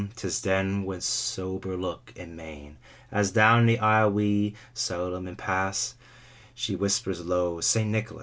Tis then with sober look, and mein, As down the aisle we, solemn, pass, She whispers low, 'St. Nicholas.